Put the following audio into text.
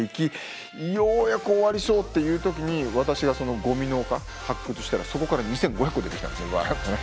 ようやく終わりそうっていう時に私がゴミの丘発掘したらそこから２，５００個出てきたんですよねわっとね。